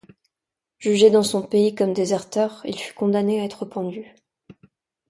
Jugé dans son pays comme déserteur, il fut condamné à être pendu.